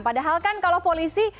padahal kan kalau polisi